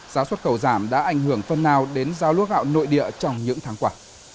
giá xuất khẩu giảm đã ảnh hưởng phần nào đến giao lúa gạo nội địa trong những tháng qua